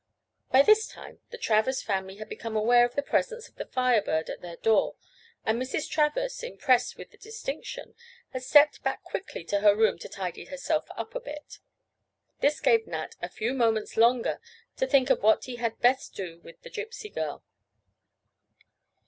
By this time the Travers family had become aware of the presence of the Fire Bird at their door, and Mrs. Travers, impressed with the distinction, had stepped back quickly to her room to tidy herself up a bit. This gave Nat a few moments longer to think of what he had best do with the Gypsy girl.